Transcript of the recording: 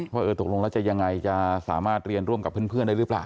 ว่าเออตกลงแล้วจะยังไงจะสามารถเรียนร่วมกับเพื่อนได้หรือเปล่า